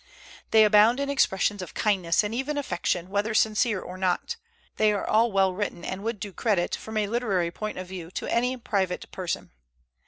They abound in expressions of kindness and even affection, whether sincere or not. They are all well written, and would do credit, from a literary point of view, to any private person.